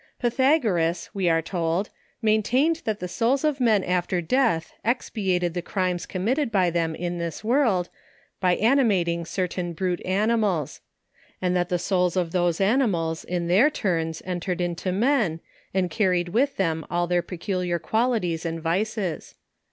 Pythagoras, we are told, maintained that the souls of men after death, expiated the crimes committed by them in this world, by animating certain brute animals ; and that the souls of those animals in their turns, entered in to men, and carried with them all their peculiar qualities and vices.